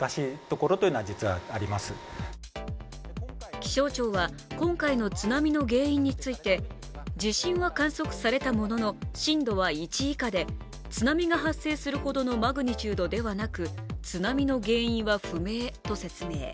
気象庁は今回の津波の原因について、地震は観測されたものの震度は１以下で、津波が発生するほどのマグニチュードではなく津波の原因は不明と説明。